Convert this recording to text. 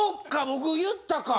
僕言ったか。